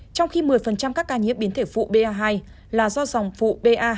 trong khi một mươi các ca nhiễm biến thể phụ ba hai là do dòng phụ ba hai nghìn một trăm hai mươi một